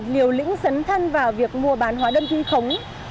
liều lĩnh dấn thân vào việc mua bán hóa đơn thi khống